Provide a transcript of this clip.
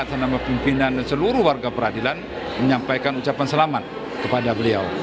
saya dan pimpinan seluruh warga peradilan menyampaikan ucapan selamat kepada beliau